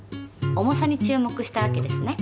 重さに注目したわけですね。